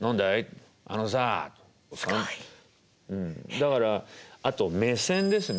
だからあと目線ですね。